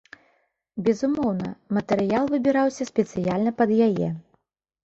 Безумоўна, матэрыял выбіраўся спецыяльна пад яе.